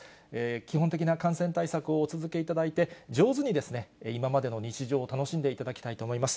基本的な感染対策をお続けいただいて、上手に今までの日常を楽しんでいただきたいと思います。